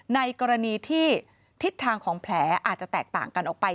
ในกรณีที่ทิศทางของแผลอาจจะแตกต่างกันออกไป